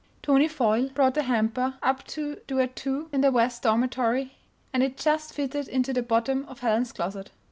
Tony Foyle brought the hamper up to Duet Two in the West Dormitory and it just fitted into the bottom of Helen's closet.